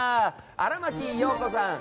荒牧陽子さん